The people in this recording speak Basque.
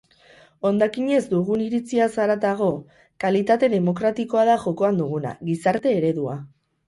Hondakinez dugun iritziaz haratago, kalitate demokratikoa da jokoan duguna, gizarte eredua.